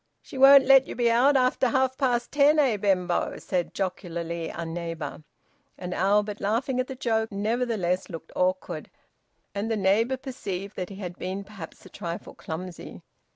"She won't let you be out after half past ten, eh, Benbow?" said jocularly a neighbour. And Albert, laughing at the joke, nevertheless looked awkward. And the neighbour perceived that he had been perhaps a trifle clumsy.